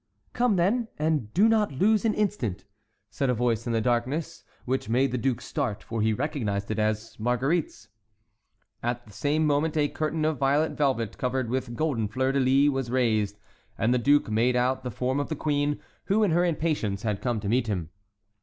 "Come, then, and do not lose an instant!" said a voice from the darkness, which made the duke start, for he recognized it as Marguerite's. At the same moment a curtain of violet velvet covered with golden fleurs de lis was raised, and the duke made out the form of the queen, who in her impatience had come to meet him.